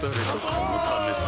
このためさ